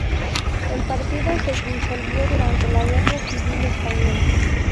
El partido se disolvió durante la Guerra Civil Española.